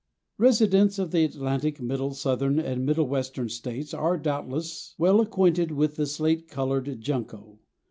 Residents of the Atlantic, Middle, Southern and Middle Western States are, doubtless, well acquainted with the slate colored Junco.